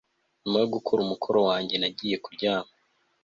Nyuma yo gukora umukoro wanjye nagiye kuryama